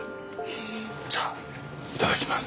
じゃいただきます。